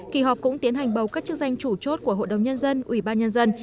kỳ họp cũng tiến hành bầu các chức danh chủ chốt của hội đồng nhân dân ủy ban nhân dân